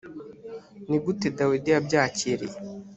ni gute dawidi yabyakiriye